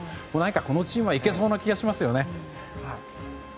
このチームはいけそうな気がしますよね。